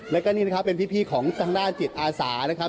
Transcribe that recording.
แล้วก็นี่นะครับเป็นพี่ของทางด้านจิตอาสานะครับ